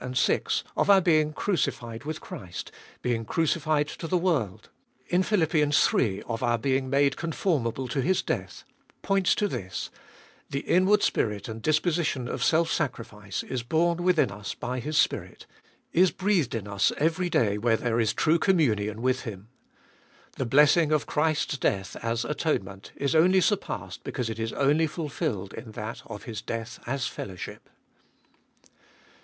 and vi. of our being crucified with Christ, being crucified to the world, in Phil. iii. of our being made conformable to His death, points to this — the inward spirit and disposition of self sacrifice is born within us by His Spirit, is breathed in us every day where there is true communion with Him. The blessing of Christ's death as atonement is only surpassed because it is only fulfilled in that of His death as fellowship.